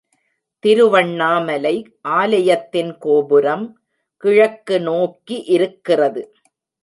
திருவண்ணாமலை ஆலயத்தின் கோபுரம் கிழக்கு நோக்கி இருக்கிறது.